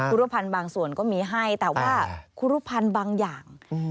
รูปภัณฑ์บางส่วนก็มีให้แต่ว่าครูรุภัณฑ์บางอย่าง